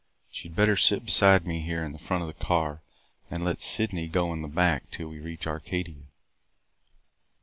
She had better sit beside me here in the front of the car and let Sydney go in the back till we reach Arcadia."